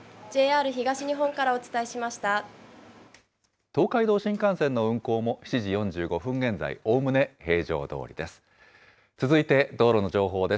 東海道新幹線の運行も７時４５分現在、おおむね平常どおりです。